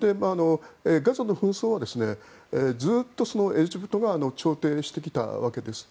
ガザの紛争はずっとエジプトが調停してきたわけです。